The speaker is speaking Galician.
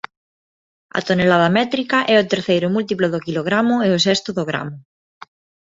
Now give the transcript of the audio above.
A tonelada métrica é o terceiro múltiplo do quilogramo e o sexto do gramo.